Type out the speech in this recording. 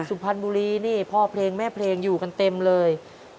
สุพรรณบุรีนี่พ่อเพลงแม่เพลงอยู่กันเต็มเลย